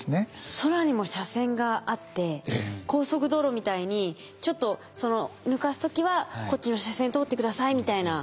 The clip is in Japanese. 空にも車線があって高速道路みたいにちょっと抜かす時はこっちの車線通って下さいみたいな。